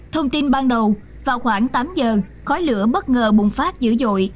thông tin ban đầu vào khoảng tám giờ khói lửa bất ngờ bùng phát dữ dội